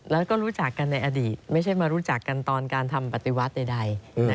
แล้วก็รู้จักกันในอดีตไม่ใช่มารู้จักกันตอนการทำปฏิวัติใด